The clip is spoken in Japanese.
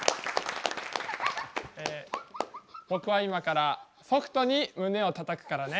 え僕は今からソフトに胸をたたくからね。